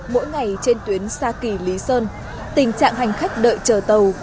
mỗi ngày trên tuyến sa kỳ lý sơn tình trạng hành khách đợi chờ tàu